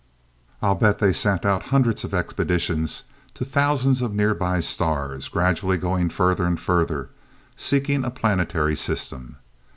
I'll bet they sent out hundreds of expeditions to thousands of nearby stars, gradually going further and further, seeking a planetary system.